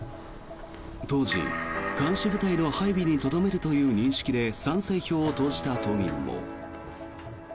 当時、監視部隊の配備にとどめるという認識で賛成票を投じた島民も。